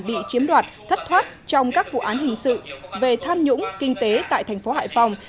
bị chiếm đoạt thất thoát trong các vụ án hình sự về tham nhũng kinh tế tại thành phố hải phòng